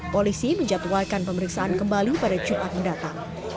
polisi menjatuhkan pemeriksaan kembali pada jumat mendatang